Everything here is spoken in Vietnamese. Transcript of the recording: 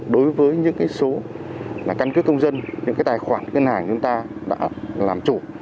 đối với những số căn cứ công dân những cái tài khoản ngân hàng chúng ta đã làm chủ